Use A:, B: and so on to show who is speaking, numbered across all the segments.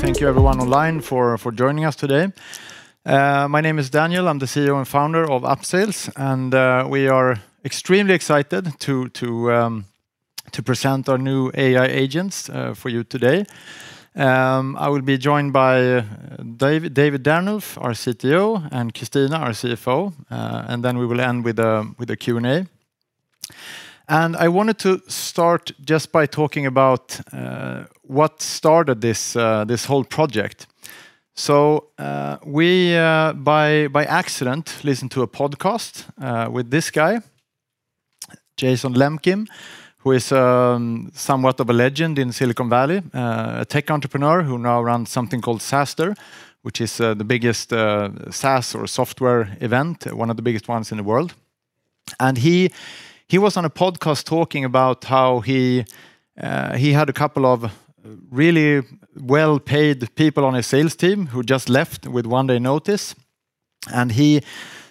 A: Thank you everyone online for joining us today. My name is Daniel, I'm the CEO and founder of Upsales, and we are extremely excited to present our new AI agents for you today. I will be joined by David Dernulf, our CTO, and Kristina Fridheimer, our CFO, and then we will end with a Q and A. I wanted to start just by talking about what started this whole project. We by accident listened to a podcast with this guy, Jason Lemkin, who is somewhat of a legend in Silicon Valley. A tech entrepreneur who now runs something called SaaStr, which is the biggest SaaS or software event, one of the biggest ones in the world. He was on a podcast talking about how he had a couple of really well-paid people on his sales team who just left with one day notice, and he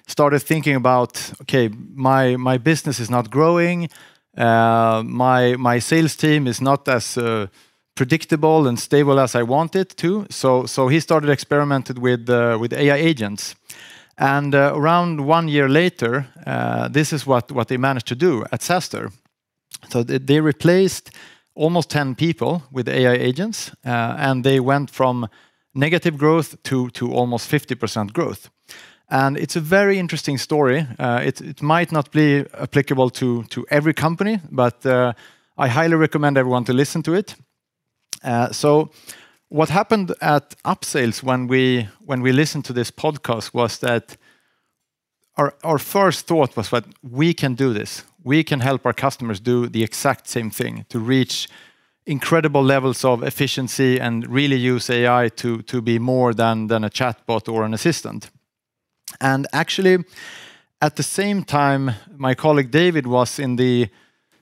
A: started thinking about, "Okay, my business is not growing. My sales team is not as predictable and stable as I want it to." He started experimenting with AI agents. Around one year later, this is what they managed to do at SaaStr. They replaced almost 10 people with AI agents, and they went from negative growth to almost 50% growth. It's a very interesting story. It might not be applicable to every company, but I highly recommend everyone to listen to it. What happened at Upsales when we listened to this podcast was that our first thought was that we can do this. We can help our customers do the exact same thing, to reach incredible levels of efficiency and really use AI to be more than a chatbot or an assistant. Actually, at the same time, my colleague David was in the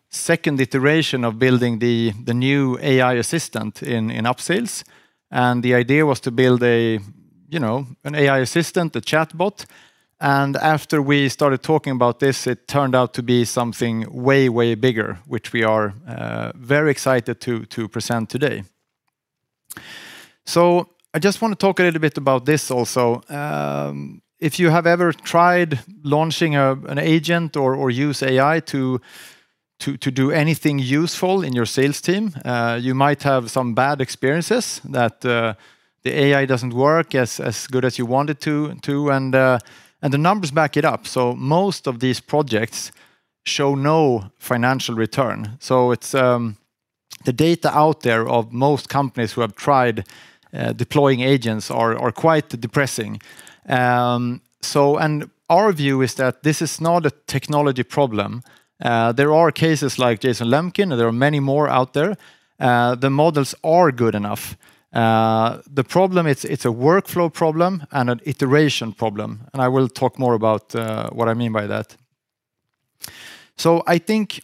A: second iteration of building the new AI assistant in Upsales, and the idea was to build a, you know, an AI assistant, a chatbot. After we started talking about this, it turned out to be something way bigger, which we are very excited to present today. I just wanna talk a little bit about this also. If you have ever tried launching an agent or use AI to do anything useful in your sales team, you might have some bad experiences that the AI doesn't work as good as you want it to, and the numbers back it up. Most of these projects show no financial return. It's the data out there of most companies who have tried deploying agents are quite depressing. Our view is that this is not a technology problem. There are cases like Jason Lemkin, and there are many more out there. The models are good enough. The problem, it's a workflow problem and an iteration problem, and I will talk more about what I mean by that. I think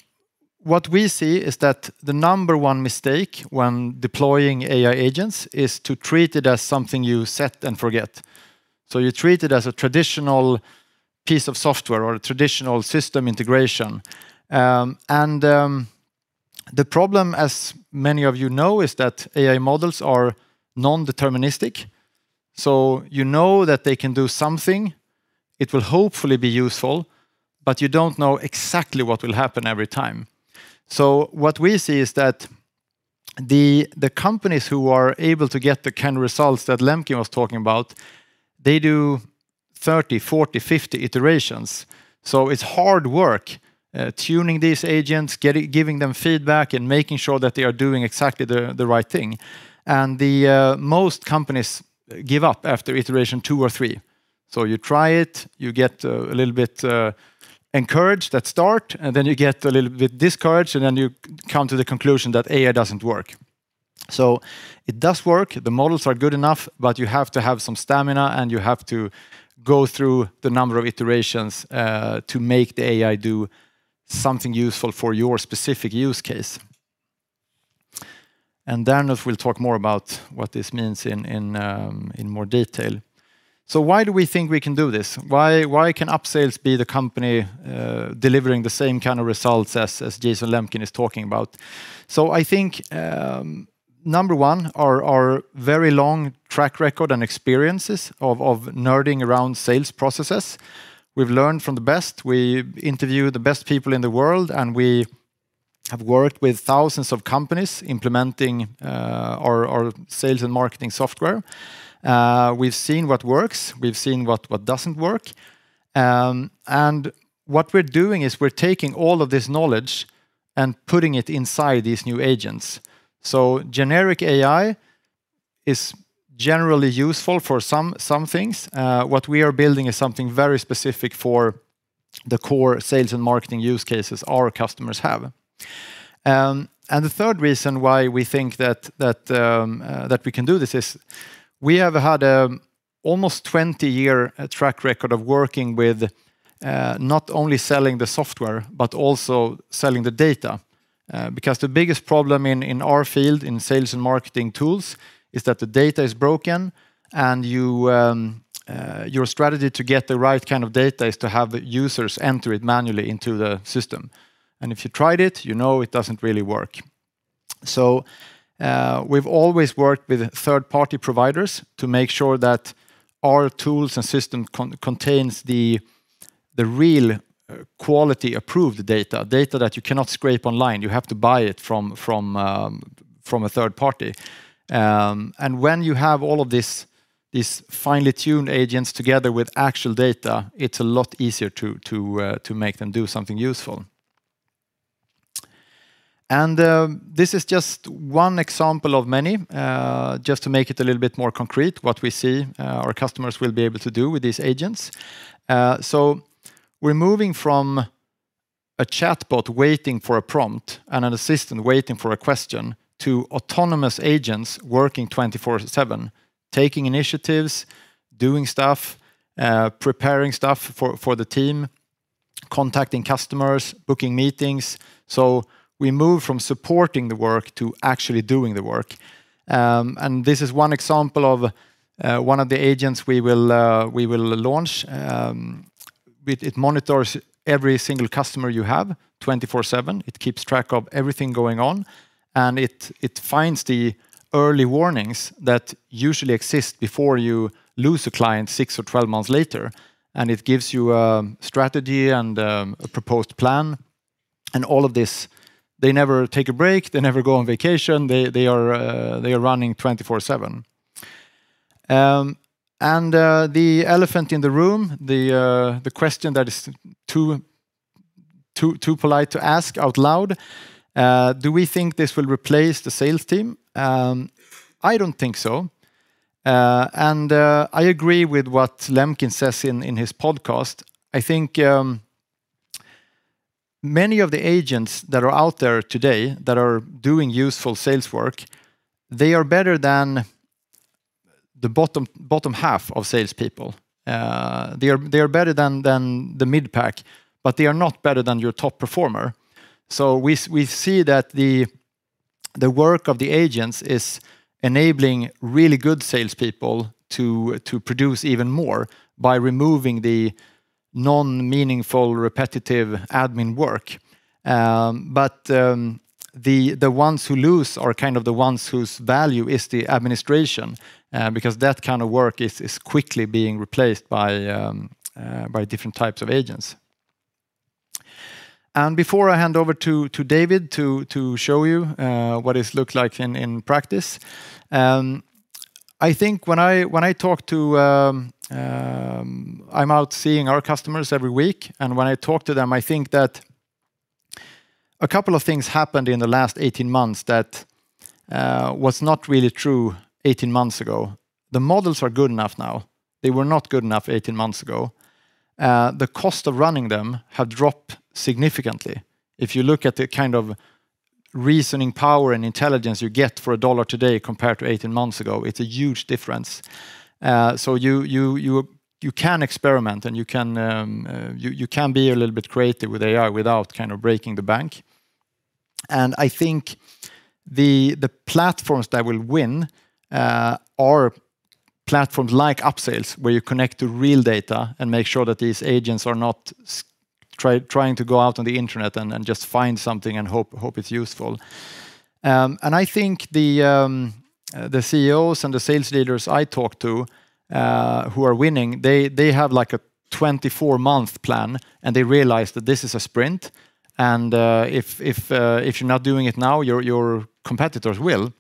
A: what we see is that the number one mistake when deploying AI agents is to treat it as something you set and forget. You treat it as a traditional piece of software or a traditional system integration. And the problem, as many of you know, is that AI models are non-deterministic. You know that they can do something, it will hopefully be useful, but you don't know exactly what will happen every time. What we see is that the companies who are able to get the kind of results that Lemkin was talking about, they do 30, 40, 50 iterations. It's hard work tuning these agents, giving them feedback, and making sure that they are doing exactly the right thing. And the most companies give up after iteration two or three. You try it, you get a little bit encouraged at start, and then you get a little bit discouraged, and then you come to the conclusion that AI doesn't work. It does work. The models are good enough, but you have to have some stamina, and you have to go through the number of iterations to make the AI do something useful for your specific use case. Dernulf will talk more about what this means in in more detail. Why do we think we can do this? Why, why can Upsales be the company delivering the same kind of results as Jason Lemkin is talking about? I think, number one, our very long track record and experiences of nerding around sales processes. We've learned from the best. We interview the best people in the world. We have worked with thousands of companies implementing our sales and marketing software. We've seen what works, we've seen what doesn't work. What we're doing is we're taking all of this knowledge and putting it inside these new agents. Generic AI is generally useful for some things. What we are building is something very specific for the core sales and marketing use cases our customers have. The third reason why we think that we can do this is we have had a almost 20-year track record of working with not only selling the software, but also selling the data. Because the biggest problem in our field, in sales and marketing tools, is that the data is broken, and you, your strategy to get the right kind of data is to have the users enter it manually into the system. If you tried it, you know it doesn't really work. We've always worked with third-party providers to make sure that our tools and system contains the real quality approved data that you cannot scrape online. You have to buy it from a third party. When you have all of this, these finely tuned agents together with actual data, it's a lot easier to make them do something useful. This is just one example of many, just to make it a little bit more concrete what we see, our customers will be able to do with these agents. We're moving from a chatbot waiting for a prompt and an assistant waiting for a question to autonomous agents working 24/7, taking initiatives, doing stuff, preparing stuff for the team, contacting customers, booking meetings. We move from supporting the work to actually doing the work. This is one example of one of the agents we will launch. It monitors every single customer you have 24/7. It keeps track of everything going on, and it finds the early warnings that usually exist before you lose a client six or 12 months later, and it gives you a strategy and a proposed plan. All of this, they never take a break, they never go on vacation. They are running 24/7. The elephant in the room, the question that is too polite to ask out loud, do we think this will replace the sales team? I don't think so. I agree with what Lemkin says in his podcast. I think many of the agents that are out there today that are doing useful sales work, they are better than the bottom half of salespeople. They are better than the mid-pack, but they are not better than your top performer. We see that the work of the agents is enabling really good salespeople to produce even more by removing the non-meaningful, repetitive admin work. The ones who lose are kind of the ones whose value is the administration because that kind of work is quickly being replaced by different types of agents. Before I hand over to David to show you what this looks like in practice, I think when I talk to I'm out seeing our customers every week, and when I talk to them, I think that a couple of things happened in the last 18 months that was not really true 18 months ago. The models are good enough now. They were not good enough 18 months ago. The cost of running them have dropped significantly. If you look at the kind of reasoning power and intelligence you get for a dollar today compared to 18 months ago, it's a huge difference. You can experiment and you can be a little bit creative with AI without kind of breaking the bank. I think the platforms that will win are platforms like Upsales, where you connect to real data and make sure that these agents are not trying to go out on the internet and just find something and hope it's useful. I think the CEOs and the sales leaders I talk to, who are winning, they have like a 24-month plan, and they realize that this is a sprint and, if you're not doing it now, your competitors will.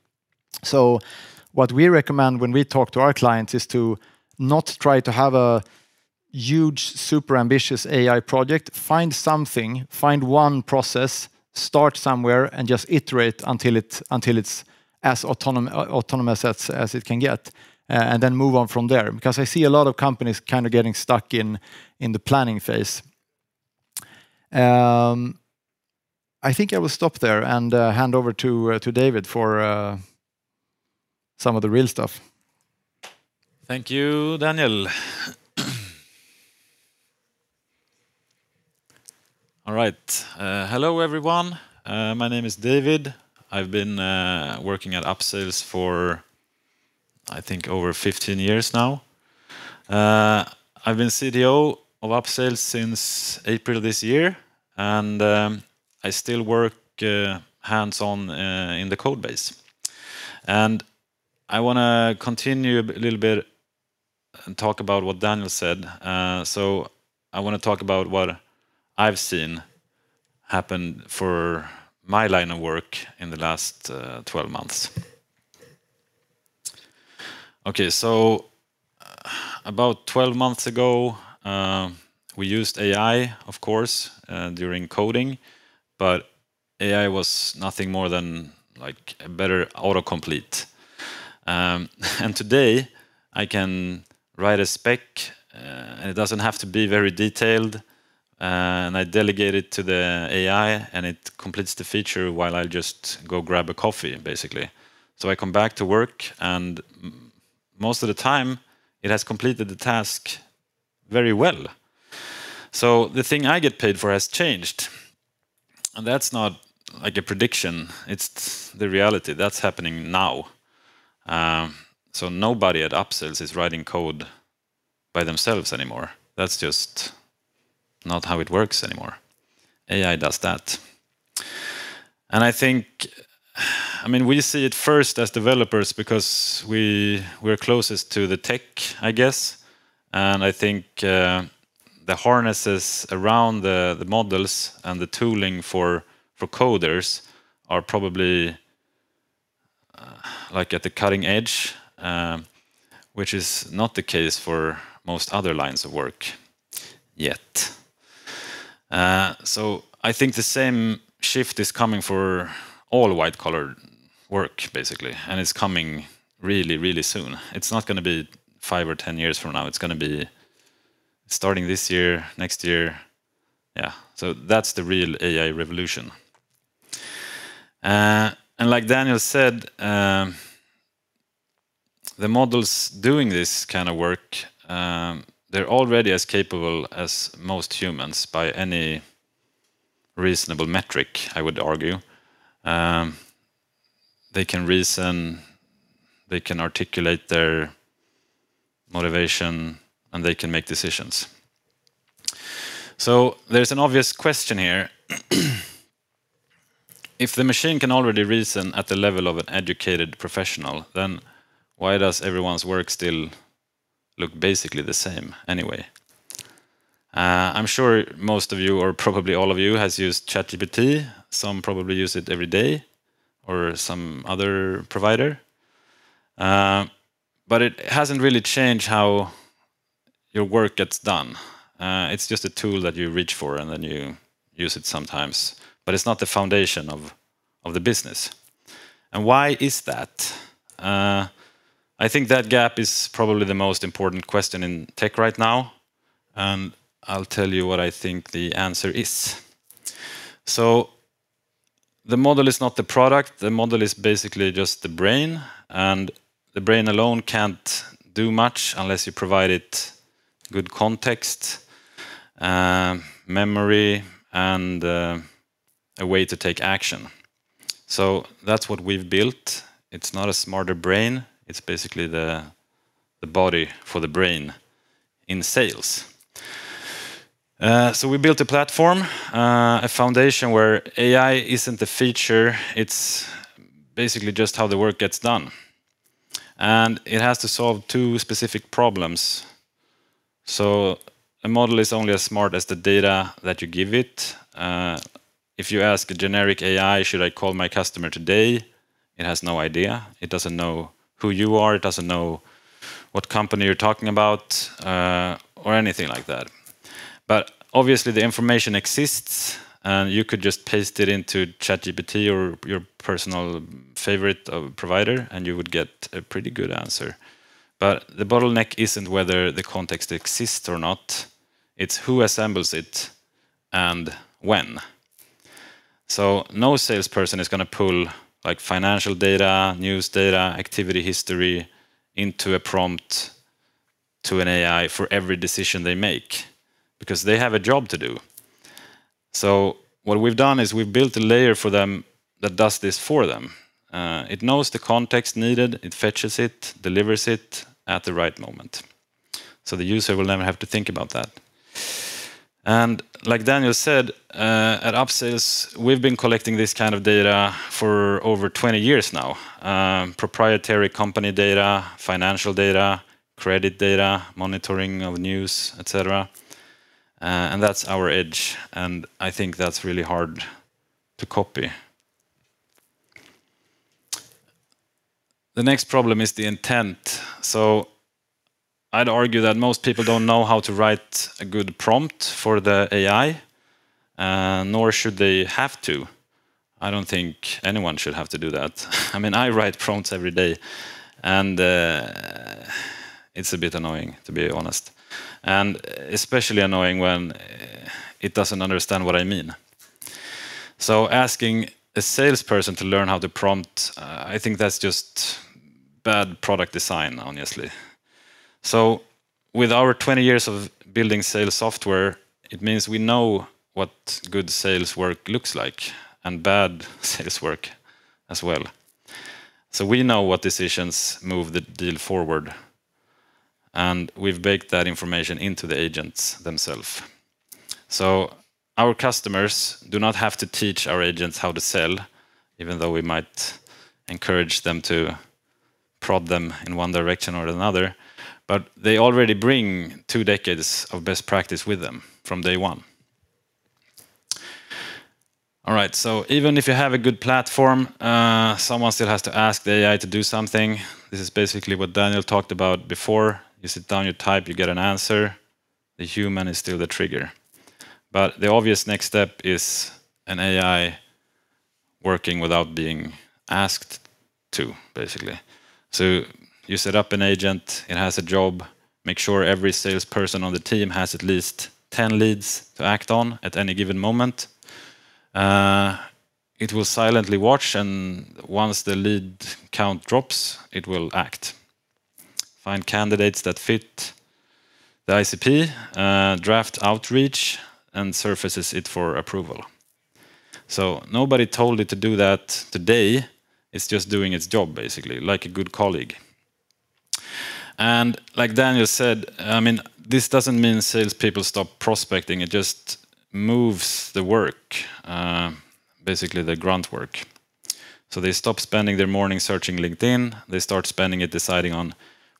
A: What we recommend when we talk to our clients is to not try to have a huge, super ambitious AI project. Find something, find one process, start somewhere, and just iterate until it, until it's as autonomous as it can get, and then move on from there. I see a lot of companies kind of getting stuck in the planning phase. I think I will stop there and hand over to David for some of the real stuff.
B: Thank you, Daniel. All right. Hello, everyone. My name is David. I've been working at Upsales for, I think, over 15 years now. I've been CTO of Upsales since April this year. I still work hands-on in the code base. I want to continue a little bit and talk about what Daniel said. I want to talk about what I've seen happen for my line of work in the last 12 months. Okay. About 12 months ago, we used AI, of course, during coding, but AI was nothing more than, like, a better auto-complete. Today, I can write a spec, and it doesn't have to be very detailed, and I delegate it to the AI, and it completes the feature while I just go grab a coffee, basically. I come back to work, and most of the time, it has completed the task very well. The thing I get paid for has changed, and that's not, like, a prediction. It's the reality. That's happening now. Nobody at Upsales is writing code by themselves anymore. That's just not how it works anymore. AI does that. I mean, we see it first as developers because we're closest to the tech, I guess. I think the harnesses around the models and the tooling for coders are probably like at the cutting edge, which is not the case for most other lines of work yet. I think the same shift is coming for all white collar work basically, and it's coming really, really soon. It's not gonna be five or 10 years from now, it's gonna be starting this year, next year. Yeah. That's the real AI revolution. Like Daniel said, the models doing this kind of work, they're already as capable as most humans by any reasonable metric, I would argue. They can reason, they can articulate their motivation, they can make decisions. There's an obvious question here. If the machine can already reason at the level of an educated professional, then why does everyone's work still look basically the same anyway? I'm sure most of you or probably all of you has used ChatGPT, some probably use it every day or some other provider. It hasn't really changed how your work gets done. It's just a tool that you reach for and you use it sometimes, it's not the foundation of the business. Why is that? I think that gap is probably the most important question in tech right now, I'll tell you what I think the answer is. The model is not the product, the model is basically just the brain, the brain alone can't do much unless you provide it good context, memory, and a way to take action. That's what we've built. It's not a smarter brain, it's basically the body for the brain in sales. We built a platform, a foundation where AI isn't the feature, it's basically just how the work gets done, it has to solve two specific problems. A model is only as smart as the data that you give it. If you ask a generic AI, "Should I call my customer today?" It has no idea. It doesn't know who you are, it doesn't know what company you're talking about, or anything like that. Obviously the information exists, and you could just paste it into ChatGPT or your personal favorite of provider, and you would get a pretty good answer. The bottleneck isn't whether the context exists or not, it's who assembles it and when. No salesperson is gonna pull like financial data, news data, activity history into a prompt to an AI for every decision they make because they have a job to do. What we've done is we've built a layer for them that does this for them. It knows the context needed, it fetches it, delivers it at the right moment. The user will never have to think about that. Like Daniel said, at Upsales, we've been collecting this kind of data for over 20 years now. Proprietary company data, financial data, credit data, monitoring of news, et cetera. That's our edge, and I think that's really hard to copy. The next problem is the intent. I'd argue that most people don't know how to write a good prompt for the AI, nor should they have to. I don't think anyone should have to do that. I mean, I write prompts every day, and it's a bit annoying, to be honest, and especially annoying when it doesn't understand what I mean. Asking a salesperson to learn how to prompt, I think that's just bad product design, honestly. With our 20 years of building sales software, it means we know what good sales work looks like and bad sales work as well. We know what decisions move the deal forward, and we've baked that information into the agents themselves. Our customers do not have to teach our agents how to sell, even though we might encourage them to prod them in one direction or another. They already bring two decades of best practice with them from day one. All right. Even if you have a good platform, someone still has to ask the AI to do something. This is basically what Daniel talked about before. You sit down, you type, you get an answer. The human is still the trigger. The obvious next step is an AI working without being asked to, basically. You set up an agent, it has a job. Make sure every salesperson on the team has at least 10 leads to act on at any given moment. It will silently watch, and once the lead count drops, it will act. Find candidates that fit the ICP, draft outreach, and surfaces it for approval. Nobody told it to do that today. It's just doing its job, basically, like a good colleague. Like Daniel said, I mean, this doesn't mean salespeople stop prospecting. It just moves the work, basically the grunt work. They stop spending their morning searching LinkedIn. They start spending it deciding on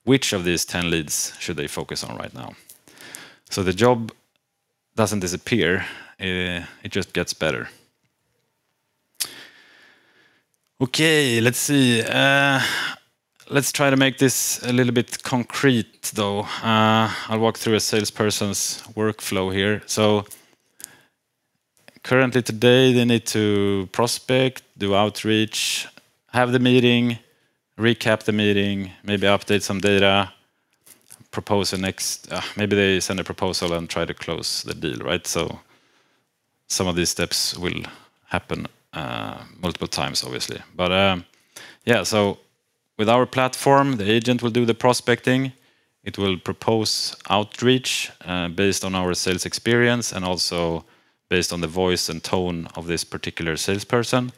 B: which of these 10 leads should they focus on right now. The job doesn't disappear, it just gets better. Okay, let's see. Let's try to make this a little bit concrete though. I'll walk through a salesperson's workflow here. Currently today, they need to prospect, do outreach, have the meeting, recap the meeting, maybe update some data, maybe they send a proposal and try to close the deal, right? Some of these steps will happen multiple times, obviously. Yeah, with our platform, the agent will do the prospecting. It will propose outreach based on our sales experience and also based on the voice and tone of this particular salesperson.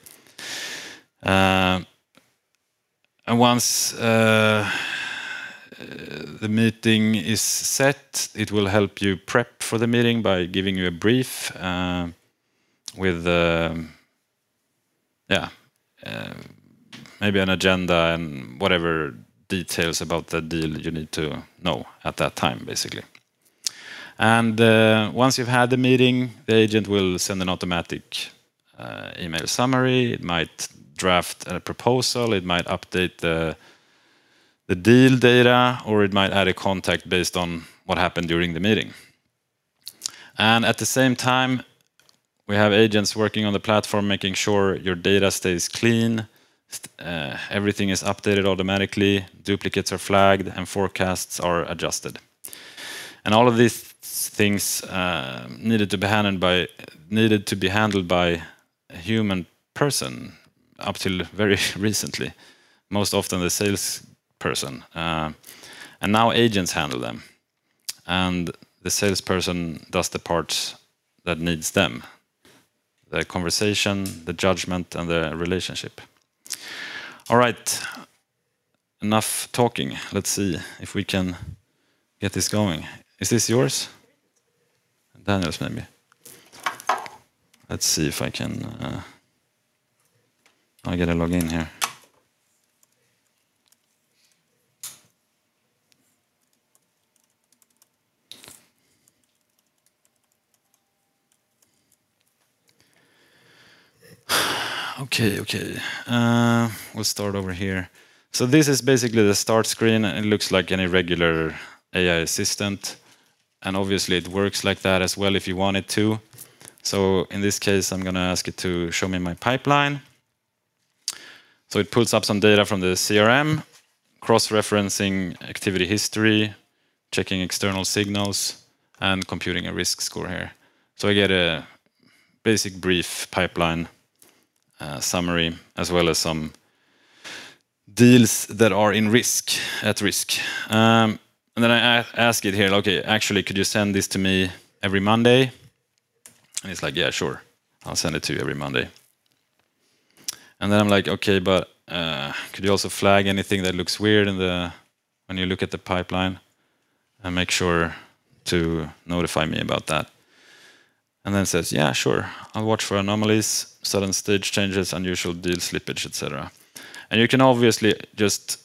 B: Once the meeting is set, it will help you prep for the meeting by giving you a brief with yeah, maybe an agenda and whatever details about the deal you need to know at that time, basically. Once you've had the meeting, the agent will send an automatic email summary. It might draft a proposal, it might update the deal data, or it might add a contact based on what happened during the meeting. At the same time, we have agents working on the platform, making sure your data stays clean, everything is updated automatically, duplicates are flagged, and forecasts are adjusted. All of these things needed to be handled by a human person up till very recently, most often the salesperson. Now agents handle them, and the salesperson does the part that needs them, the conversation, the judgment, and the relationship. All right, enough talking. Let's see if we can get this going. Is this yours? Daniel's maybe. Let's see if I can I gotta log in here. Okay. Okay. We'll start over here. This is basically the start screen, and it looks like any regular AI assistant, and obviously it works like that as well if you want it to. In this case, I'm gonna ask it to show me my pipeline. It pulls up some data from the CRM, cross-referencing activity history, checking external signals, and computing a risk score here. I get a basic brief pipeline summary, as well as some deals that are in risk, at risk. Then I ask it here, "Okay, actually, could you send this to me every Monday?" It's like, "Yeah, sure. I'll send it to you every Monday." I'm like, "Okay, but, could you also flag anything that looks weird when you look at the pipeline, and make sure to notify me about that?" It says, "Yeah, sure. I'll watch for anomalies, sudden stage changes, unusual deal slippage, et cetera." You can obviously just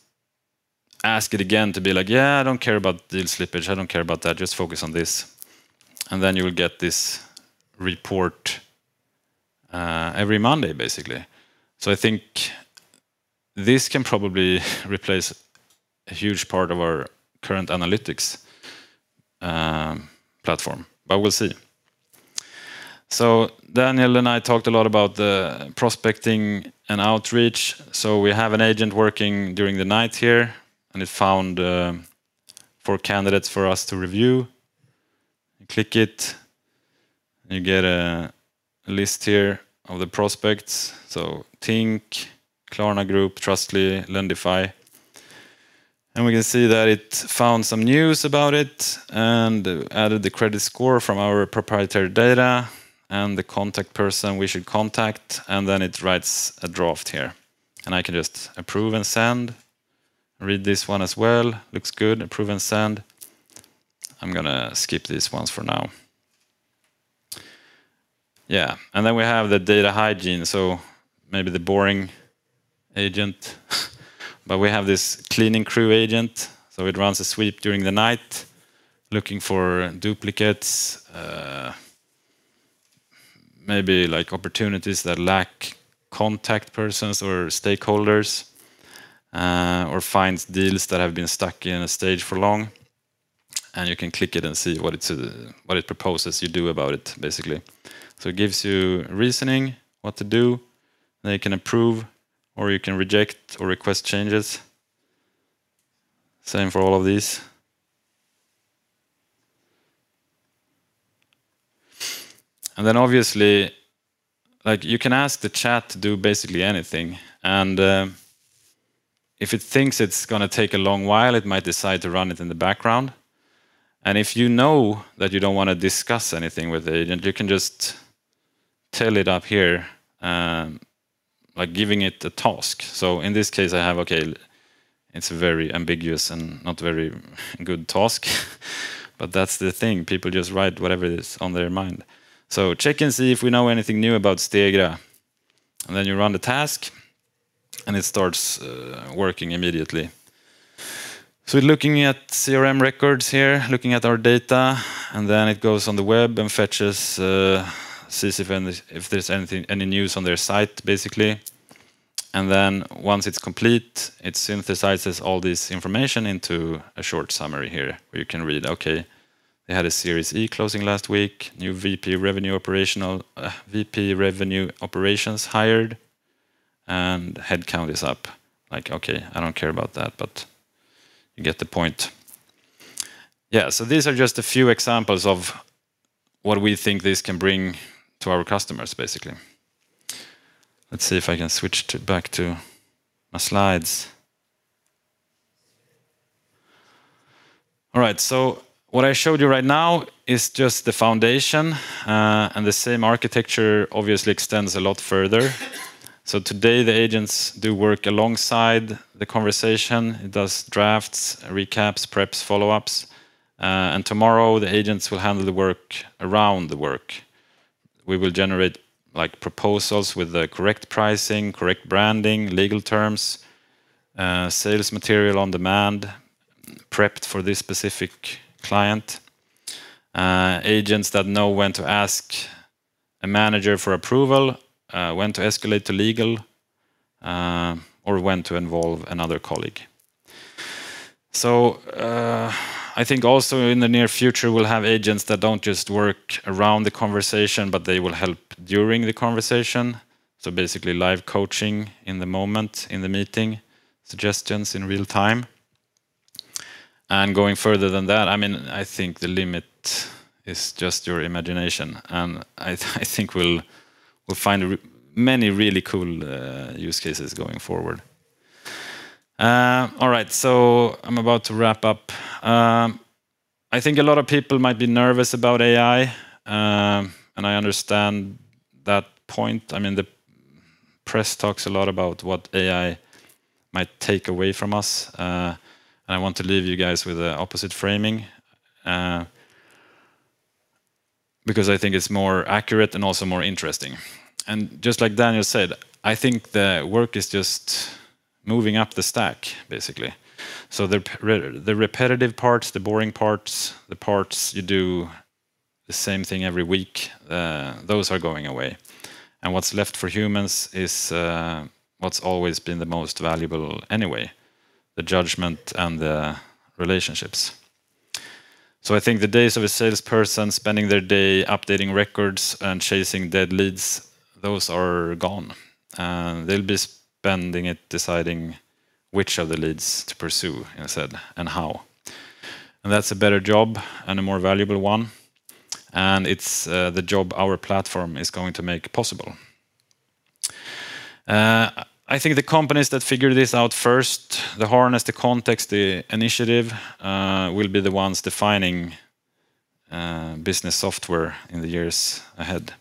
B: ask it again to be like, "Yeah, I don't care about deal slippage. I don't care about that. Just focus on this." You will get this report every Monday basically. I think this can probably replace a huge part of our current analytics platform, but we'll see. Daniel and I talked a lot about the prospecting and outreach. We have an agent working during the night here, and it found four candidates for us to review. Click it, you get a list here of the prospects. Tink, Klarna Group, Trustly, Lendify. We can see that it found some news about it and added the credit score from our proprietary data and the contact person we should contact, it writes a draft here, and I can just approve and send. Read this one as well. Looks good. Approve and send. I'm gonna skip these ones for now. Then we have the data hygiene, maybe the boring agent, but we have this cleaning crew agent. It runs a sweep during the night looking for duplicates, maybe like opportunities that lack contact persons or stakeholders, or finds deals that have been stuck in a stage for long. You can click it and see what it proposes you do about it, basically. It gives you reasoning what to do, then you can approve or you can reject or request changes. Same for all of these. Obviously, like, you can ask the chat to do basically anything, if it thinks it's gonna take a long while, it might decide to run it in the background. If you know that you don't wanna discuss anything with the agent, you can just tell it up here by giving it a task. In this case, I have, okay, it's very ambiguous and not very good task, but that's the thing. People just write whatever is on their mind. Check and see if we know anything new about Stegra, you run the task, and it starts working immediately. Looking at CRM records here, looking at our data, then it goes on the web and fetches, sees if there's anything, any news on their site, basically. Once it's complete, it synthesizes all this information into a short summary here, where you can read, okay, they had a Series E closing last week, new VP Revenue Operations hired, and headcount is up. Like, okay, I don't care about that, you get the point. These are just a few examples of what we think this can bring to our customers, basically. Let's see if I can switch back to my slides. What I showed you right now is just the foundation, the same architecture obviously extends a lot further. Today, the agents do work alongside the conversation. It does drafts, recaps, preps, follow-ups. Tomorrow the agents will handle the work around the work. We will generate, like, proposals with the correct pricing, correct branding, legal terms, sales material on demand prepped for this specific client, agents that know when to ask a manager for approval, when to escalate to legal, or when to involve another colleague. I think also in the near future, we'll have agents that don't just work around the conversation, but they will help during the conversation, so basically live coaching in the moment, in the meeting, suggestions in real time. Going further than that, I mean, I think the limit is just your imagination, and I think we'll find many really cool use cases going forward. All right, I'm about to wrap up. I think a lot of people might be nervous about AI, I understand that point. I mean, the press talks a lot about what AI might take away from us. I want to leave you guys with the opposite framing, because I think it's more accurate and also more interesting. Just like Daniel said, I think the work is just moving up the stack, basically. The repetitive parts, the boring parts, the parts you do the same thing every week, those are going away. What's left for humans is what's always been the most valuable anyway, the judgment and the relationships. I think the days of a salesperson spending their day updating records and chasing dead leads, those are gone. They'll be spending it deciding which of the leads to pursue, as I said, and how. That's a better job and a more valuable one, and it's the job our platform is going to make possible. I think the companies that figure this out first, that harness the context, the initiative, will be the ones defining business software in the years ahead,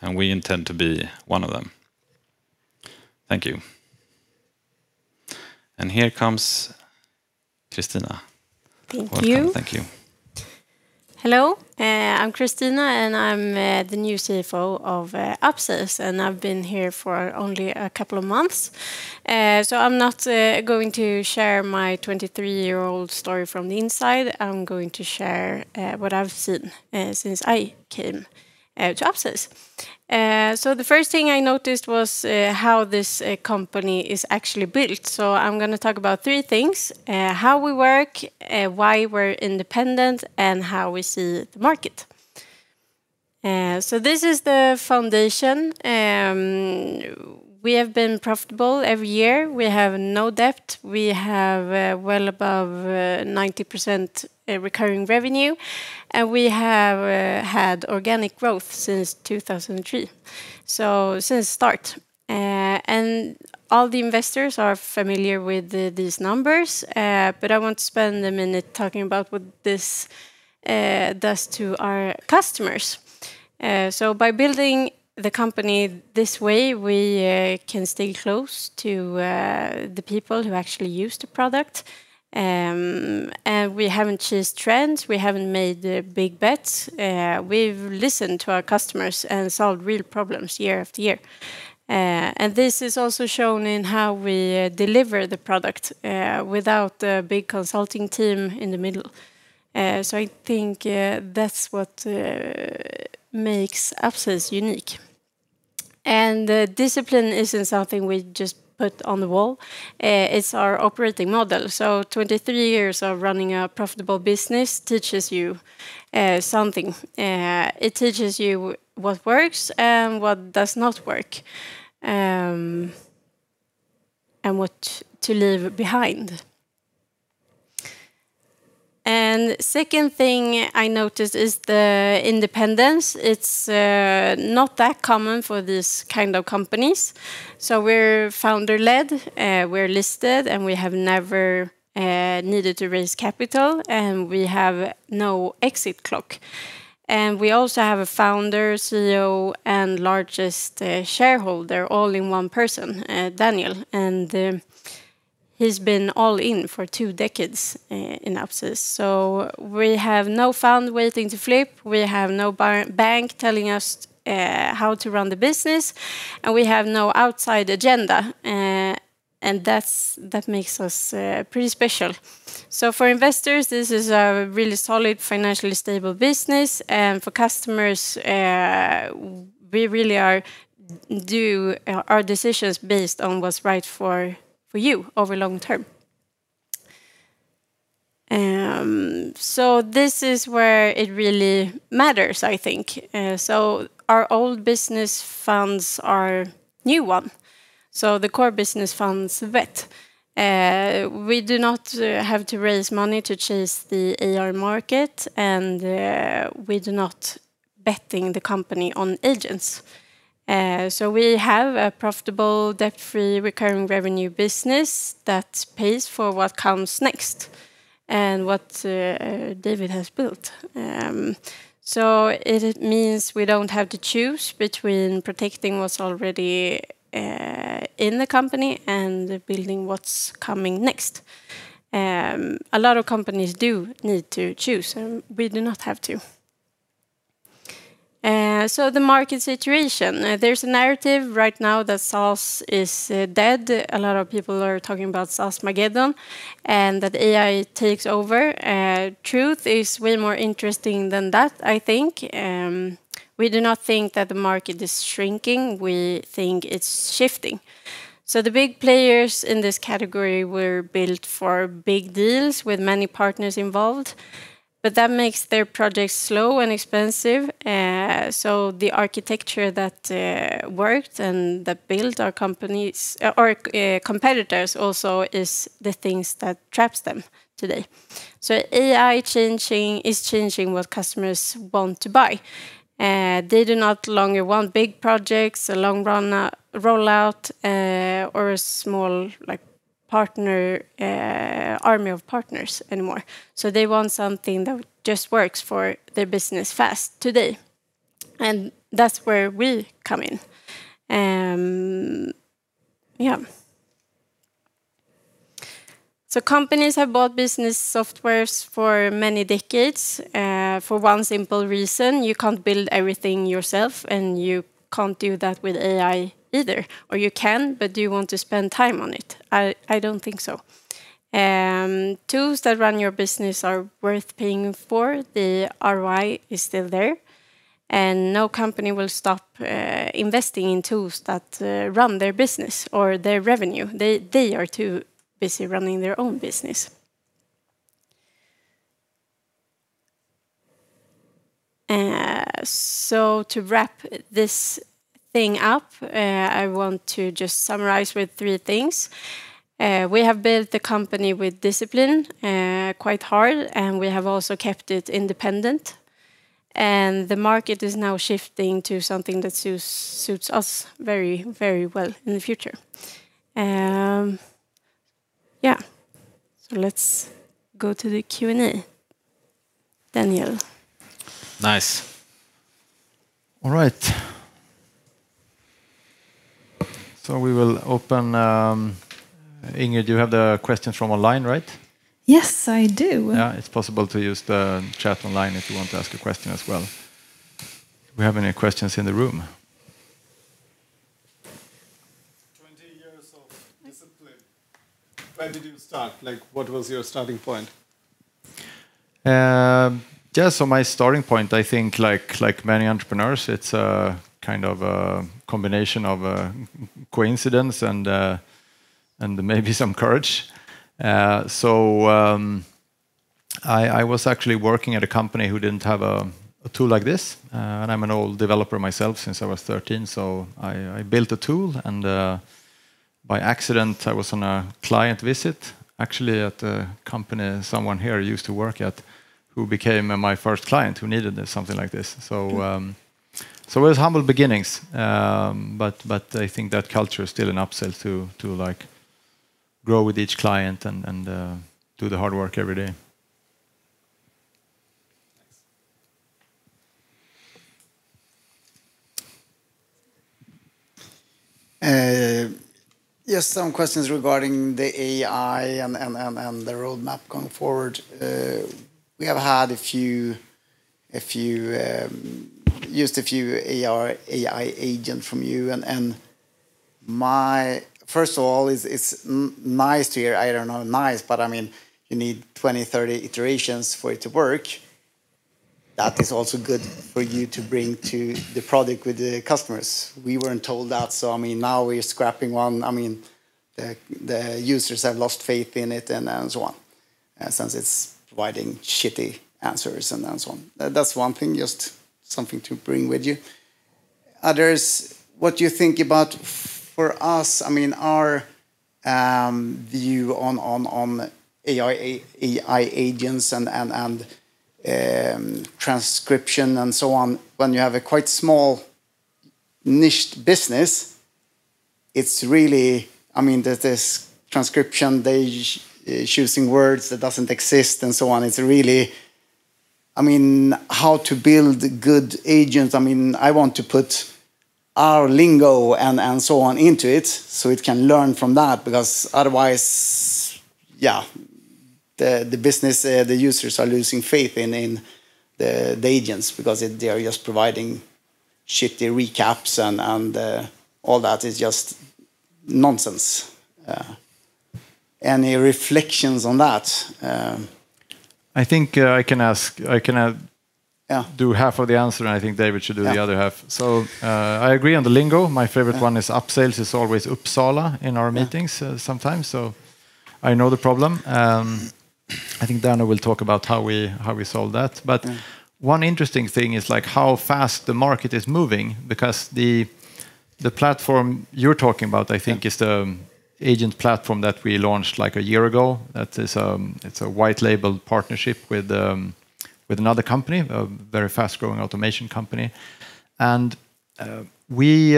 B: and we intend to be one of them. Thank you. Here comes Kristina.
C: Thank you.
B: Welcome. Thank you.
C: Hello. I'm Kristina, and I'm the new CFO of Upsales, and I've been here for only a couple of months. I'm not going to share my 23-year-old story from the inside. I'm going to share what I've seen since I came to Upsales. The first thing I noticed was how this company is actually built. I'm gonna talk about three things, how we work, why we're independent, and how we see the market. This is the foundation. We have been profitable every year. We have no debt. We have well above 90% recurring revenue, and we have had organic growth since 2003, so since start. All the investors are familiar with the, these numbers, but I want to spend a minute talking about what this does to our customers. By building the company this way, we can stay close to the people who actually use the product. We haven't chased trends. We haven't made big bets. We've listened to our customers and solved real problems year after year. This is also shown in how we deliver the product without a big consulting team in the middle. I think that's what makes Upsales unique. Discipline isn't something we just put on the wall. It's our operating model. 23 years of running a profitable business teaches you something. It teaches you what works and what does not work, and what to leave behind. Second thing I noticed is the independence. It's not that common for these kind of companies. We're founder-led, we're listed, and we have never needed to raise capital, and we have no exit clock. We also have a founder, CEO, and largest shareholder all in one person, Daniel. He's been all in for two decades in Upsales. We have no fund waiting to flip, we have no bank telling us how to run the business, and we have no outside agenda. That makes us pretty special. For investors, this is a really solid financially stable business. For customers, we really do our decisions based on what's right for you over long term. This is where it really matters, I think. Our old business funds our new one, so the core business funds VET. We do not have to raise money to chase the AI market, we do not betting the company on agents. We have a profitable debt-free recurring revenue business that pays for what comes next and what David has built. It means we don't have to choose between protecting what's already in the company and building what's coming next. A lot of companies do need to choose, we do not have to. The market situation. There's a narrative right now that SaaS is dead. A lot of people are talking about SaaSmageddon and that AI takes over. Truth is way more interesting than that, I think. We do not think that the market is shrinking. We think it's shifting. The big players in this category were built for big deals with many partners involved, but that makes their projects slow and expensive. The architecture that worked and that built our companies or competitors also is the things that traps them today. AI is changing what customers want to buy. They do not longer want big projects, a long run rollout or a small, like, partner army of partners anymore. They want something that just works for their business fast today, and that's where we come in. Yeah. Companies have bought business software for many decades, for one simple reason. You can't build everything yourself, and you can't do that with AI either. You can, but do you want to spend time on it? I don't think so. Tools that run your business are worth paying for. The ROI is still there, and no company will stop investing in tools that run their business or their revenue. They are too busy running their own business. To wrap this thing up, I want to just summarize with three things. We have built the company with discipline, quite hard, and we have also kept it independent. The market is now shifting to something that suits us very, very well in the future. Let's go to the Q and A. Daniel.
A: Nice. All right. We will open, Inge, do you have the questions from online, right?
D: Yes, I do.
A: Yeah, it's possible to use the chat online if you want to ask a question as well. Do we have any questions in the room?
E: 20 years of discipline. Where did you start? Like, what was your starting point?
A: My starting point, I think like many entrepreneurs, it's kind of a combination of a coincidence and maybe some courage. I was actually working at a company who didn't have a tool like this. I'm an old developer myself since I was 13. I built a tool. By accident, I was on a client visit actually at a company someone here used to work at who became my first client who needed something like this. It was humble beginnings. I think that culture is still in Upsales to like grow with each client and do the hard work every day.
E: Thanks.
F: Yes, some questions regarding the AI and the roadmap going forward. We have used a few AI agent from you. First of all, it's nice to hear, I don't know, nice, but I mean, you need 20, 30 iterations for it to work. That is also good for you to bring to the product with the customers. We weren't told that, so I mean, now we're scrapping one. I mean, the users have lost faith in it and so on, since it's providing shitty answers and so on. That's one thing, just something to bring with you. Others, what you think about for us, I mean, our view on AI agents and transcription and so on, when you have a quite small niched business It's really, I mean, this transcription, they choosing words that doesn't exist and so on. It's really, I mean, how to build good agents. I mean, I want to put our lingo and so on into it so it can learn from that, because otherwise, the business, the users are losing faith in the agents because they are just providing shitty recaps and all that is just nonsense. Any reflections on that?
A: I think, I can ask.
F: Yeah
A: Do half of the answer, and I think David should.
F: Yeah
B: The other half. I agree on the lingo. My favorite one is Upsales is always Upsale in our meetings.
F: Yeah
B: Sometimes, so I know the problem. I think Daniel will talk about how we solve that.
F: Yeah
A: One interesting thing is, like how fast the market is moving, because the platform you're talking about.
F: Yeah
A: Is the agent platform that we launched, like a year ago. That is, it's a white label partnership with another company, a very fast-growing automation company. We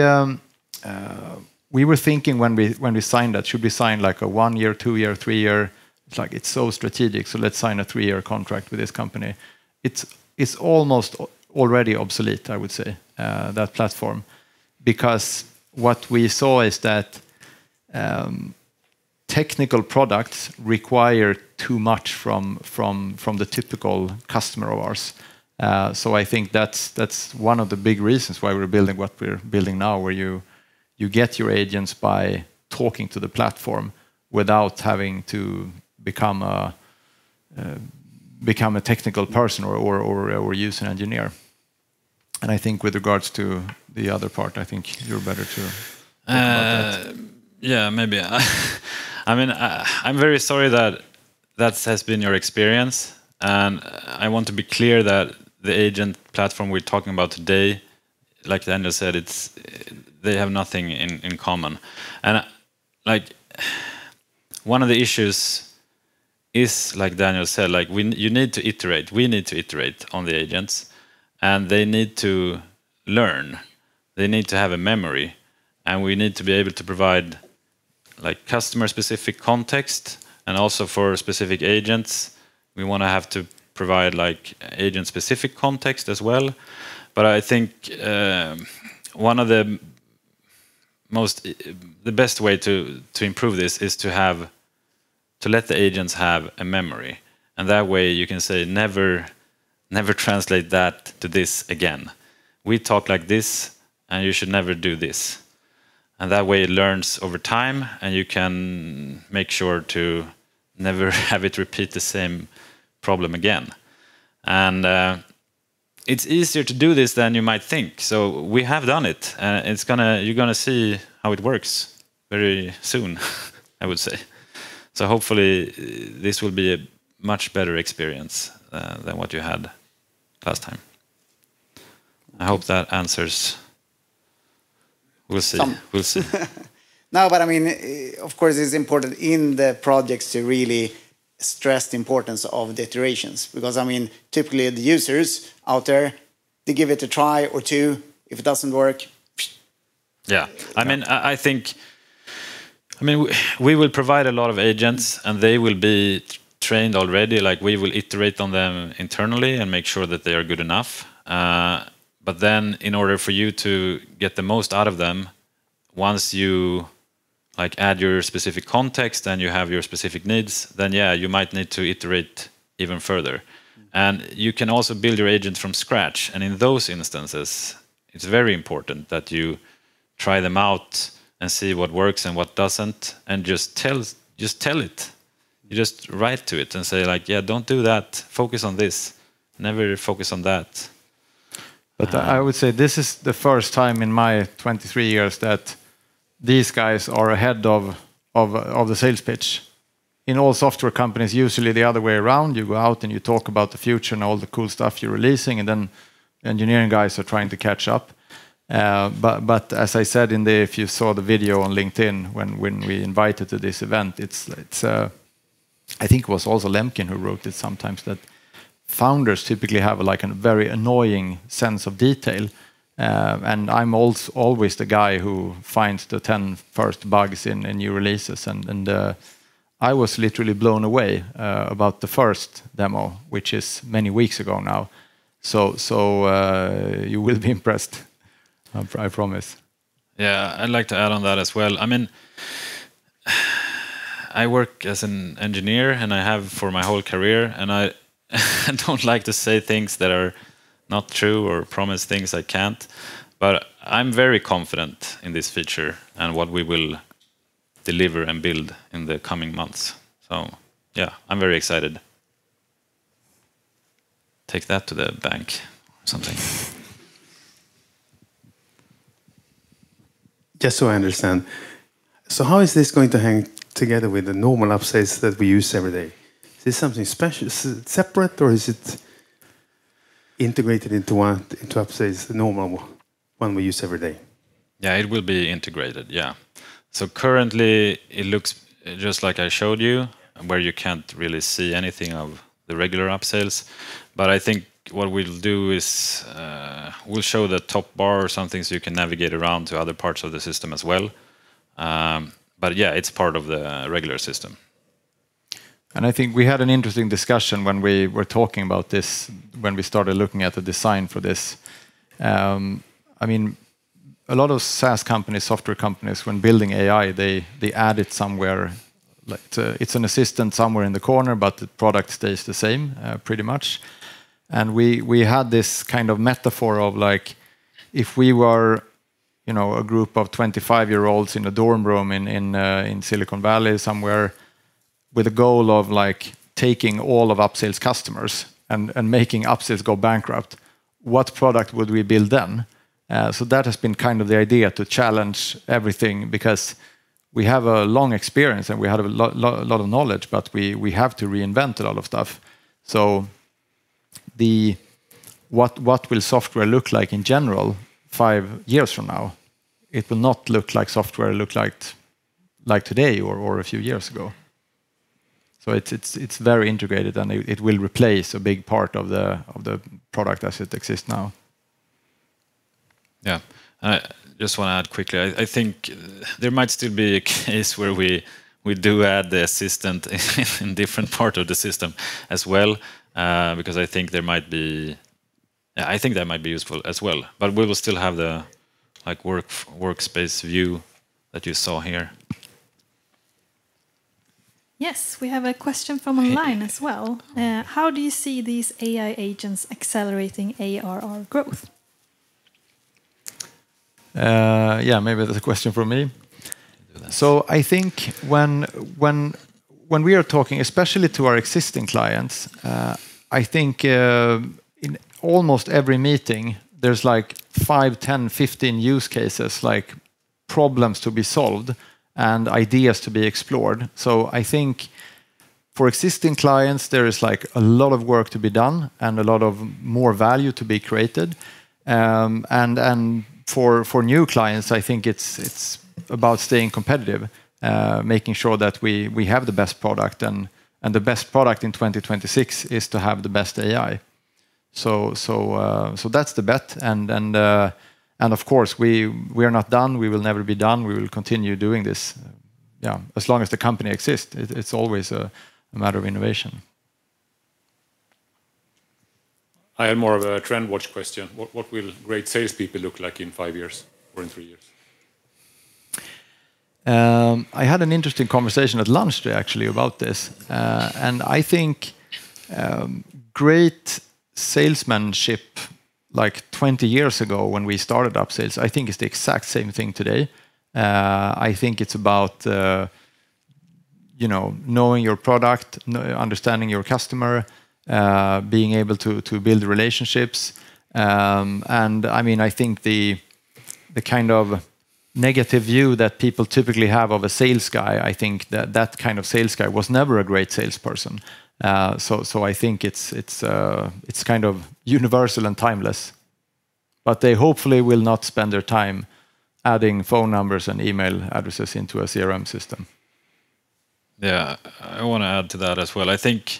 A: were thinking when we signed that, should we sign like a one year, two year, three year? It's like it's so strategic, so let's sign a three year contract with this company. It's almost already obsolete, I would say, that platform, because what we saw is that technical products require too much from the typical customer of ours. I think that's one of the big reasons why we're building what we're building now, where you get your agents by talking to the platform without having to become a technical person or use an engineer. I think with regards to the other part, I think you're better to talk about that.
B: Yeah, maybe. I mean, I'm very sorry that that has been your experience, and I want to be clear that the agent platform we're talking about today, like Daniel said, they have nothing in common. Like, one of the issues is, like Daniel said, like when you need to iterate, we need to iterate on the agents, and they need to learn. They need to have a memory, we need to be able to provide, like customer-specific context. Also for specific agents, we wanna have to provide like agent-specific context as well. I think, one of the best way to improve this is to let the agents have a memory, that way you can say, "Never translate that to this again. We talk like this, and you should never do this. That way it learns over time, and you can make sure to never have it repeat the same problem again. It's easier to do this than you might think. We have done it, you're gonna see how it works very soon, I would say. Hopefully this will be a much better experience than what you had last time. I hope that answers. We'll see.
F: Some.
B: We'll see.
F: I mean, of course, it's important in the projects to really stress the importance of the iterations because, I mean, typically the users out there, they give it a try or two. If it doesn't work, psh.
B: Yeah. I mean, we will provide a lot of agents, and they will be trained already. Like we will iterate on them internally and make sure that they are good enough. In order for you to get the most out of them, once you, like, add your specific context and you have your specific needs, yeah, you might need to iterate even further. You can also build your agent from scratch, and in those instances, it's very important that you try them out and see what works and what doesn't, and just tell it. You just write to it and say like, "Yeah, don't do that. Focus on this. Never focus on that.
A: I would say this is the first time in my 23 years that these guys are ahead of the sales pitch. In all software companies, usually the other way around, you go out and you talk about the future and all the cool stuff you're releasing, and then engineering guys are trying to catch up. If you saw the video on LinkedIn when we invited to this event, it's, I think it was also Lemkin who wrote this sometimes, that founders typically have like an very annoying sense of detail. And I'm always the guy who finds the 10 first bugs in new releases and I was literally blown away about the first demo, which is many weeks ago now. You will be impressed, I promise.
B: I'd like to add on that as well. I mean, I work as an engineer, and I have for my whole career, and I don't like to say things that are not true or promise things I can't. I'm very confident in this feature and what we will deliver and build in the coming months. I'm very excited. Take that to the bank or something.
G: Just so I understand. How is this going to hang together with the normal Upsales that we use every day? Is this something special? Is it separate or is it integrated into one, into Upsales normal one we use every day?
B: Yeah, it will be integrated. Yeah. Currently, it looks just like I showed you, where you can't really see anything of the regular Upsales. I think what we'll do is, we'll show the top bar or something so you can navigate around to other parts of the system as well. Yeah, it's part of the regular system.
A: I think we had an interesting discussion when we were talking about this, when we started looking at the design for this. I mean, a lot of SaaS companies, software companies, when building AI, they add it somewhere. Like, it's an assistant somewhere in the corner, but the product stays the same pretty much. We had this kind of metaphor of, like, if we were, you know, a group of 25-year-olds in a dorm room in Silicon Valley somewhere with a goal of, like, taking all of Upsales customers and making Upsales go bankrupt, what product would we build then? That has been kind of the idea, to challenge everything. We have a long experience, and we have a lot of knowledge, but we have to reinvent a lot of stuff. What will software look like in general five years from now? It will not look like software looked like today or a few years ago. It's very integrated, and it will replace a big part of the product as it exists now.
B: Yeah. I just wanna add quickly, I think there might still be a case where we do add the assistant in different part of the system as well, because I think that might be useful as well. We will still have the, like, workspace view that you saw here.
D: Yes, we have a question from online as well. How do you see these AI agents accelerating ARR growth?
A: Yeah, maybe that's a question for me.
B: You can do that.
A: I think when we are talking, especially to our existing clients, I think in almost every meeting, there's like five, 10, 15 use cases, like problems to be solved and ideas to be explored. I think for existing clients, there is, like, a lot of work to be done and a lot of more value to be created. And for new clients, I think it's about staying competitive, making sure that we have the best product. And the best product in 2026 is to have the best AI. That's the bet. And of course, we are not done. We will never be done. We will continue doing this, yeah, as long as the company exists. It's always a matter of innovation.
G: I have more of a trend watch question. What will great salespeople look like in five years or in three years?
A: I had an interesting conversation at lunch today actually about this. I think great salesmanship, like 20 years ago when we started Upsales, I think it's the exact same thing today. I think it's about, you know, knowing your product, understanding your customer, being able to build relationships. I mean, I think the kind of negative view that people typically have of a sales guy, I think that kind of sales guy was never a great salesperson. I think it's kind of universal and timeless. They hopefully will not spend their time adding phone numbers and email addresses into a CRM system.
B: Yeah. I wanna add to that as well. I think,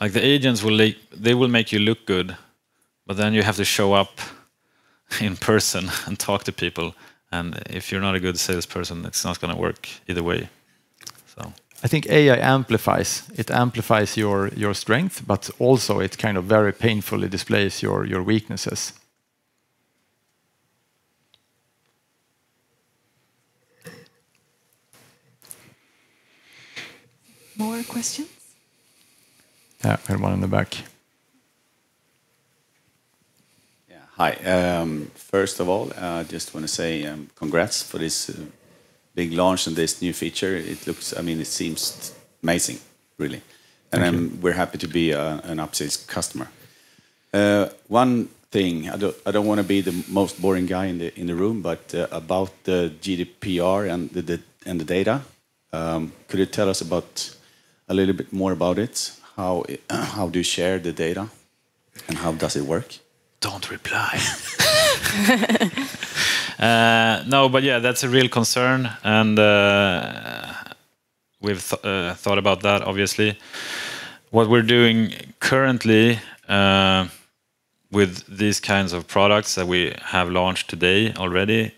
B: like, the agents will make you look good, but then you have to show up in person and talk to people, and if you're not a good salesperson, it's not gonna work either way.
A: I think AI amplifies. It amplifies your strength, but also it kind of very painfully displays your weaknesses.
D: More questions?
B: Yeah, I heard one in the back.
H: Yeah. Hi. First of all, I just wanna say, congrats for this big launch and this new feature. I mean, it seems amazing really.
A: Thank you.
H: We're happy to be an Upsales customer. One thing, I don't wanna be the most boring guy in the room, but about the GDPR and the data, could you tell us a little bit more about it? How do you share the data, and how does it work?
A: Don't reply.
B: No, yeah, that's a real concern, and we've thought about that obviously. What we're doing currently, with these kinds of products that we have launched today already,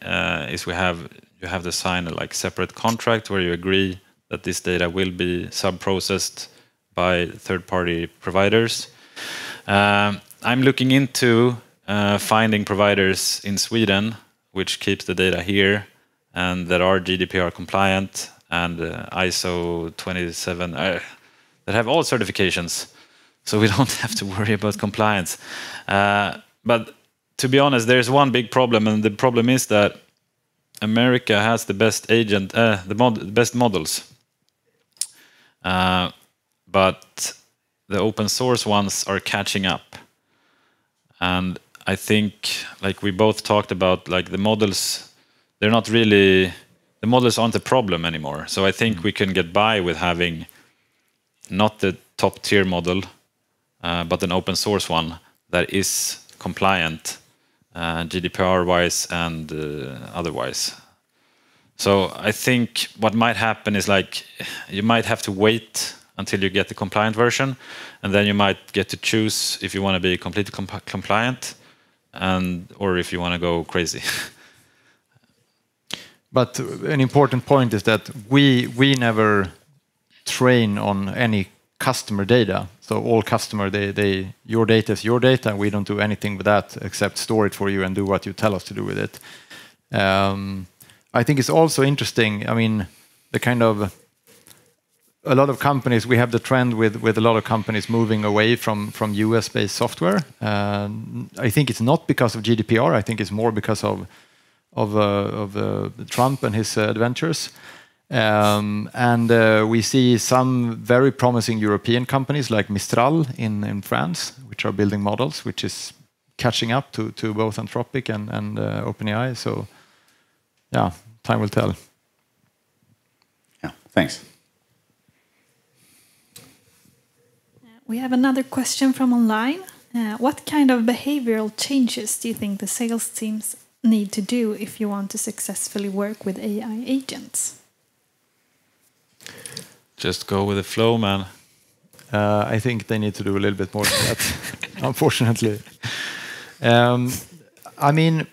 B: is you have to sign a, like, separate contract where you agree that this data will be subprocessed by third-party providers. I'm looking into finding providers in Sweden which keeps the data here and that are GDPR compliant and ISO 27, that have all certifications, so we don't have to worry about compliance. To be honest, there's one big problem, and the problem is that America has the best agent, the best models. The open source ones are catching up. I think, like we both talked about, like, the models, the models aren't a problem anymore. I think we can get by with having not the top-tier model, but an open source one that is compliant, GDPR-wise and otherwise. I think what might happen is, like, you might have to wait until you get the compliant version, and then you might get to choose if you wanna be completely compliant and, or if you wanna go crazy.
A: An important point is that we never train on any customer data. All your data is your data, and we don't do anything with that except store it for you and do what you tell us to do with it. I think it's also interesting, I mean, a lot of companies moving away from US-based software. I think it's not because of GDPR, I think it's more because of Trump and his adventures. We see some very promising European companies like Mistral in France, which are building models, which is catching up to both Anthropic and OpenAI. Yeah, time will tell.
H: Yeah. Thanks.
D: We have another question from online. What kind of behavioral changes do you think the sales teams need to do if you want to successfully work with AI agents?
A: Just go with the flow, man. I think they need to do a little bit more than that unfortunately. I mean,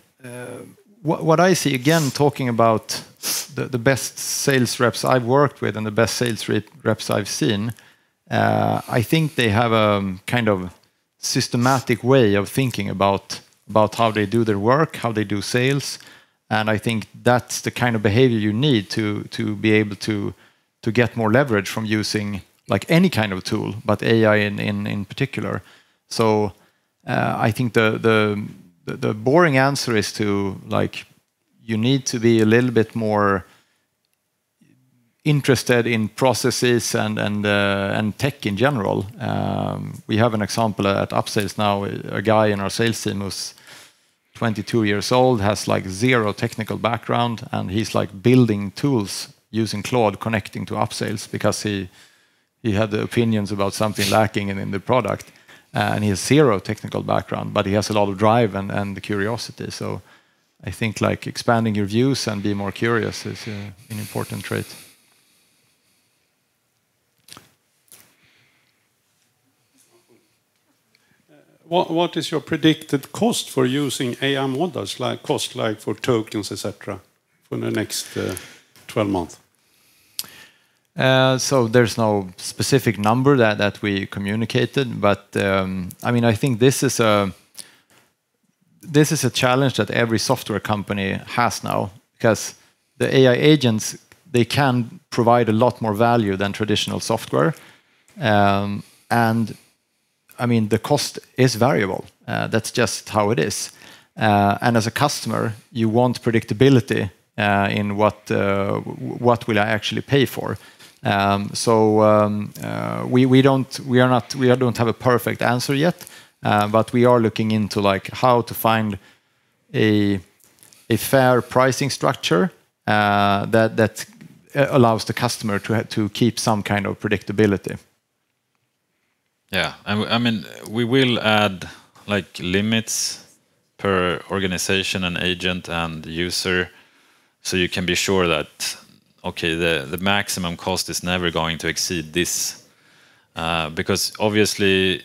A: what I see, again, talking about the best sales reps I've worked with and the best sales reps I've seen, I think they have a kind of systematic way of thinking about how they do their work, how they do sales, and I think that's the kind of behavior you need to be able to get more leverage from using, like, any kind of a tool, but AI in, in particular. I think the, the boring answer is to, like, you need to be a little bit more interested in processes and tech in general. We have an example at Upsales now, a guy in our sales team who's 22 years old, has, like, zero technical background, and he's, like, building tools using Claude connecting to Upsales because he had the opinions about something lacking in the product. He has zero technical background, but he has a lot of drive and curiosity. I think, like, expanding your views and be more curious is an important trait.
E: What is your predicted cost for using AI models, like cost, like for tokens, et cetera, for the next 12 month?
A: So there's no specific number that we communicated, but I mean, I think this is a challenge that every software company has now, because the AI agents, they can provide a lot more value than traditional software. I mean, the cost is variable. That's just how it is. As a customer, you want predictability in what will I actually pay for. We don't have a perfect answer yet, but we are looking into, like, how to find a fair pricing structure that allows the customer to keep some kind of predictability.
B: Yeah. I mean, we will add, like, limits per organization and agent and user. You can be sure that, okay, the maximum cost is never going to exceed this. Because obviously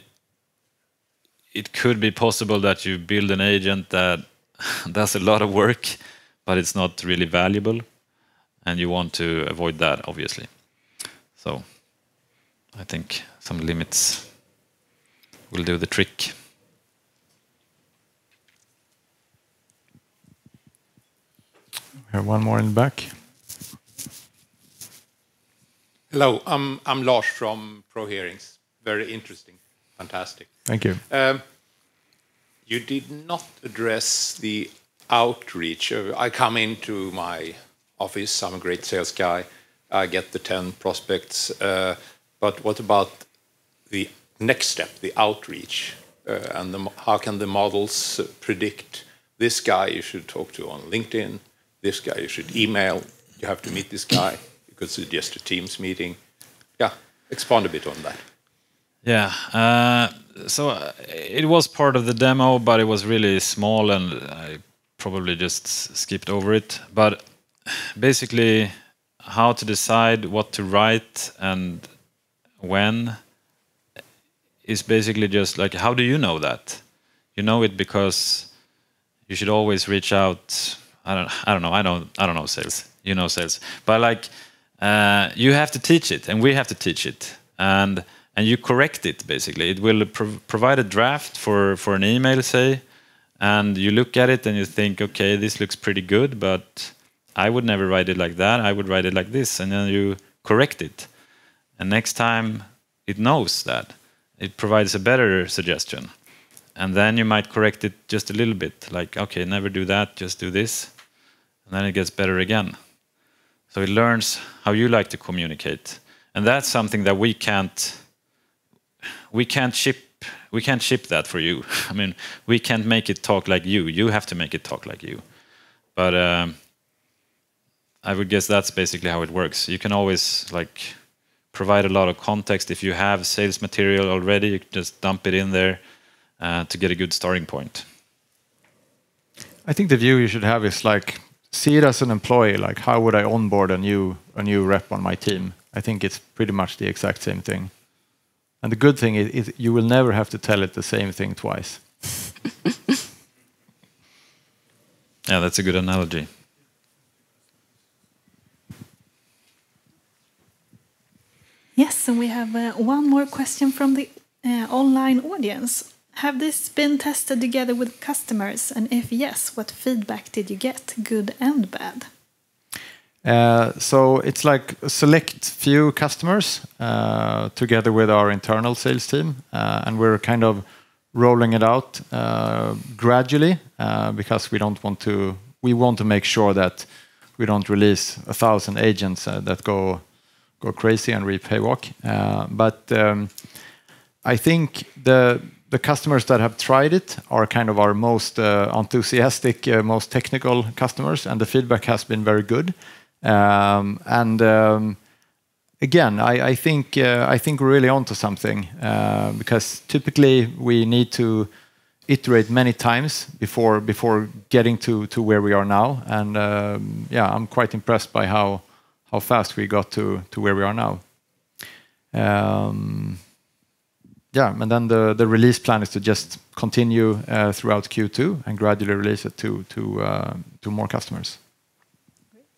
B: it could be possible that you build an agent that does a lot of work, but it's not really valuable, and you want to avoid that obviously. I think some limits will do the trick.
A: We have one more in the back.
I: Hello. I'm Lars from ProHearings. Very interesting. Fantastic.
A: Thank you.
I: You did not address the outreach. I come into my office, I'm a great sales guy, I get the 10 prospects. What about the next step, the outreach? How can the models predict this guy you should talk to on LinkedIn, this guy you should email, you have to meet this guy, you could suggest a Teams meeting. Yeah. Expand a bit on that.
B: Yeah. It was part of the demo, but it was really small, and I probably just skipped over it. Basically, how to decide what to write and when is basically just like, how do you know that? You know it because you should always reach out I don't know. I don't know sales. You know sales. Like, you have to teach it, and we have to teach it. And you correct it, basically. It will provide a draft for an email, say, and you look at it and you think, "Okay, this looks pretty good, but I would never write it like that. I would write it like this." Then you correct it, and next time it knows that. It provides a better suggestion. You might correct it just a little bit, like, "Okay, never do that. Just do this." It gets better again. It learns how you like to communicate, and that's something that we can't ship, we can't ship that for you. I mean, we can't make it talk like you. You have to make it talk like you. I would guess that's basically how it works. You can always, like, provide a lot of context. If you have sales material already, you can just dump it in there to get a good starting point.
A: I think the view you should have is, like, see it as an employee. Like, how would I onboard a new rep on my team? I think it's pretty much the exact same thing. The good thing is you will never have to tell it the same thing twice.
I: Yeah, that's a good analogy.
D: Yes. We have, one more question from the, online audience. Have this been tested together with customers? If yes, what feedback did you get, good and bad?
A: It's like select few customers, together with our internal sales team. We're kind of rolling it out gradually, because we want to make sure that we don't release a thousand agents that go crazy on RepayWalk. I think the customers that have tried it are kind of our most enthusiastic, most technical customers, and the feedback has been very good. Again, I think we're really onto something, because typically we need to iterate many times before getting to where we are now. Yeah, I'm quite impressed by how fast we got to where we are now. Yeah. The release plan is to just continue throughout Q2 and gradually release it to more customers.
D: Great.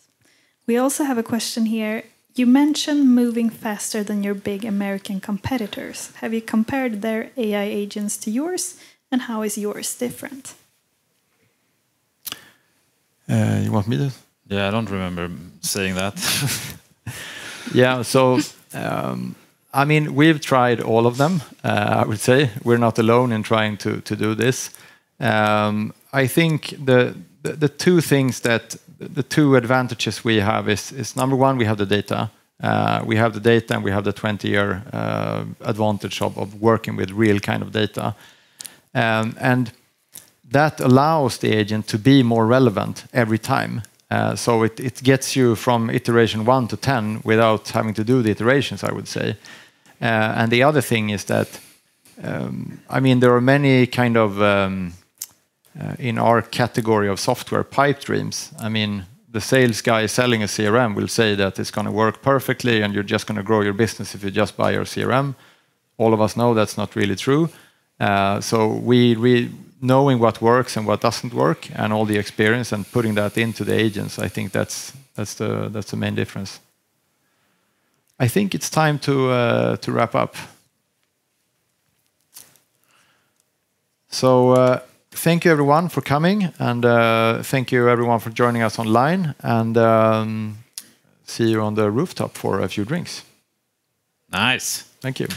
D: We also have a question here. You mentioned moving faster than your big American competitors. Have you compared their AI agents to yours, and how is yours different?
A: You want me to?
B: Yeah, I don't remember saying that.
A: I mean, we've tried all of them, I would say. We're not alone in trying to do this. I think the two advantages we have is number one, we have the data. We have the data, and we have the 20-year advantage of working with real kind of data. That allows the agent to be more relevant every time. It gets you from iteration one to 10 without having to do the iterations, I would say. The other thing is that, I mean, there are many kind of in our category of software pipe dreams, I mean, the sales guy selling a CRM will say that it's gonna work perfectly and you're just gonna grow your business if you just buy our CRM. All of us know that's not really true. Knowing what works and what doesn't work and all the experience and putting that into the agents, I think that's the main difference. I think it's time to wrap up. Thank you everyone for coming. Thank you everyone for joining us online. See you on the rooftop for a few drinks.
B: Nice.
A: Thank you.